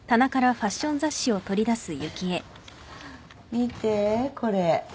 見てこれ。